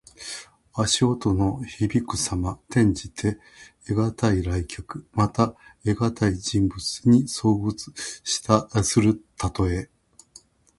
足音のひびくさま。転じて、得難い来客。また、得難い人物に遭遇するたとえ。